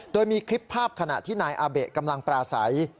โดยมีคลิปภาพขณะที่นายอาเบะกำลังปราศัย